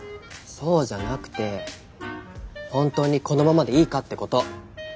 そうじゃなくてほんとにこのままでいいかってこと。